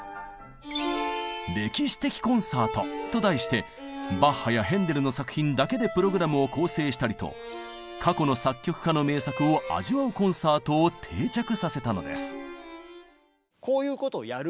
「歴史的コンサート」と題してバッハやヘンデルの作品だけでプログラムを構成したりと過去の作曲家の名作を味わうコンサートを定着させたのです。